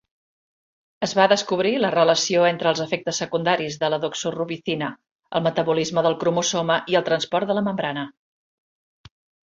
Es va descobrir la relació entre els efectes secundaris de la doxorubicina, el metabolisme del cromosoma i el transport de la membrana.